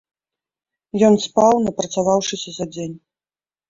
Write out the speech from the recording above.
Ён спаў, напрацаваўшыся за дзень.